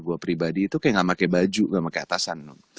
gue pribadi itu kayak gak pakai baju gak pakai atasan